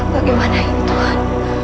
bagaimana ini tuhan